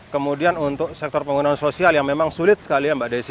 kemudian untuk sektor penggunaan sosial yang memang sulit sekali ya mbak desi